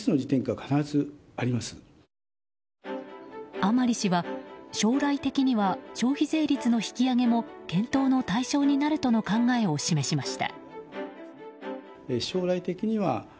甘利氏は将来的には消費税率の引き上げも検討の対象になるとの考えを示しました。